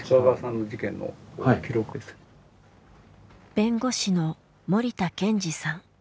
弁護士の森田健二さん。